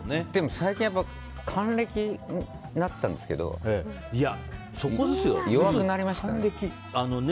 最近、還暦になったんですけど弱くなりましたね。